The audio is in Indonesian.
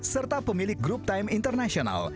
serta pemilik group time international